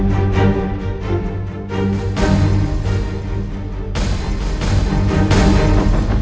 lu harus gue kasih pelajaran